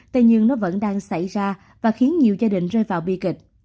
tuy nhiên nó vẫn đang xảy ra và khiến nhiều gia đình rơi vào bi kịch